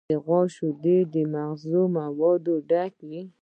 د غوا شیدې د مغذي موادو ډک دي.